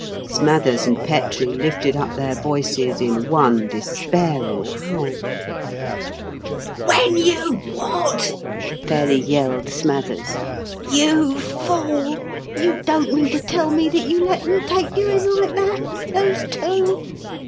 Smathers and Petrie lifted up their voices in one despairing howl. "When you what?" fairly yelled Smathers. "You fool! You don't mean to tell me that you let them take you in like that those two?